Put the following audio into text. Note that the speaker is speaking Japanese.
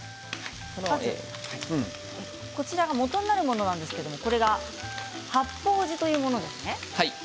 こちらがもとになるものなんですが八方地というものですね。